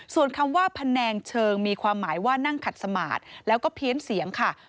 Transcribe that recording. ส่วนคำว่าพนันเชิงมีความหมายว่านั่งขัดสมาธิ